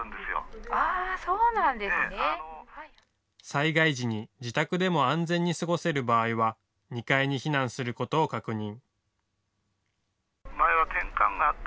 災害時に自宅でも安全に過ごせる場合は２階に避難することを確認。